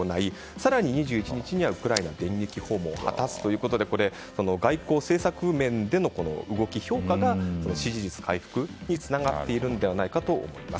更に２１日にはへウクライナ電撃訪問を果たすということで外交政策面での動き、評価が支持率回復につながっているのではないかと思います。